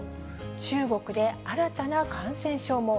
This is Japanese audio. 中国で新たな感染症も。